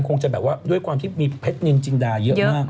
คงจะแบบว่าด้วยความที่มีเพชรนินจินดาเยอะมาก